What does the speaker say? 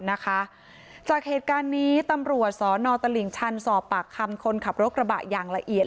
นะคะจากเหตุการณ์นี้ตำรวจสนตลิ่งชันสอบปากคำคนขับรถกระบะอย่างละเอียด